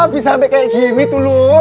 bisa sampe kayak gini tuh lu